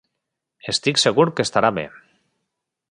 Estic segur que estarà bé.